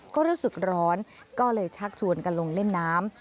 ก็รู้สึกร้อนก็เลยชักชวนกันลงเล่นน้ำ